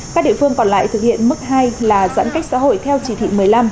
các địa phương còn lại thực hiện mức hai là giãn cách xã hội theo chỉ thị một mươi năm